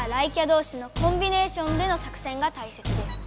どうしのコンビネーションでの作戦がたいせつです。